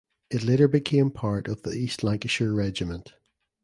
It later became part of the East Lancashire Regiment.